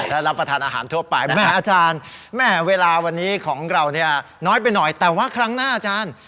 และรับประทานอาหารทั่วไปแม่อาจารย์แม่เวลาวันนี้ของเราเนี่ยน้อยไปหน่อยแต่ว่าครั้งหน้าอาจารย์